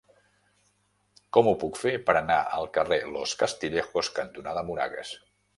Com ho puc fer per anar al carrer Los Castillejos cantonada Moragas?